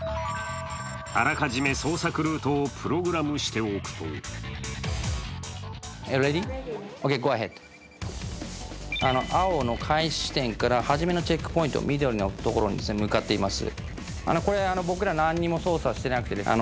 あらかじめ捜索ルートをプログラムしておくと青の開始地点から初めのチェックポイント、緑のところに向かっています。